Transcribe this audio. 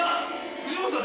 藤本さん。